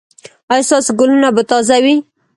ایا ستاسو ګلونه به تازه وي؟